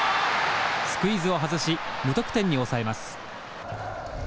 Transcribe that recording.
スクイズを外し無得点に抑えます。